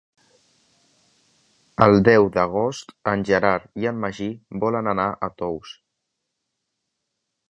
El deu d'agost en Gerard i en Magí volen anar a Tous.